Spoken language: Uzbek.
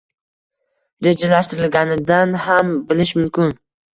rejalashtirilganidan ham bilish mumkin